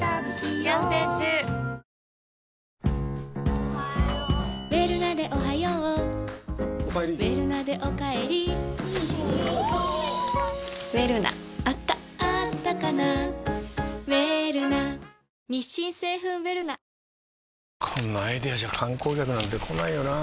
ぷはーっこんなアイデアじゃ観光客なんて来ないよなあ